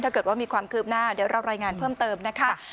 ถ้าเกิดว่ามีความคืบหน้าเดี๋ยวเรารายงานเพิ่มเติมนะคะ